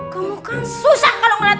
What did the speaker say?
kamu kan susah kalo ngeliat